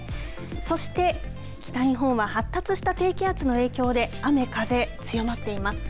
そして、北日本は発達した低気圧の影響で雨風、強まっています。